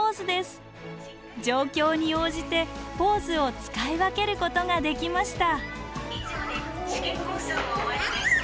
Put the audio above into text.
状況に応じてポーズを使い分けることができました。